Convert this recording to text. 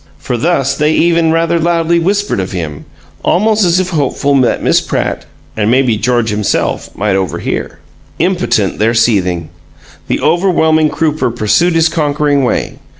For thus they even rather loudly whispered of him almost as if hopeful that Miss Pratt, and mayhap George himself, might overhear. Impotent their seething! The overwhelming Crooper pursued his conquering way.